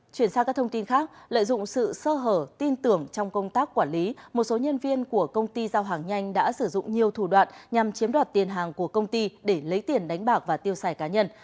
chuyển sang các thông tin khác lợi dụng sự sơ hở tin tưởng trong công tác quản lý một số nhân viên của công ty giao hàng nhanh đã sử dụng nhiều thủ đoạn nhằm chiếm đoạt tiền hàng của công ty để lấy tiền đánh bạc và tiêu xài cá nhân